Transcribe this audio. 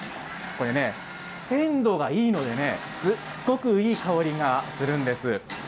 これね、鮮度がいいのでね、すっごくいい香りがするんです。